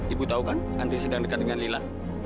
ibu tahu kan andri sedang dekat dengan lila